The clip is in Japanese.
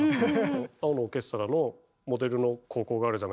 「青のオーケストラ」のモデルの高校があるじゃないですか。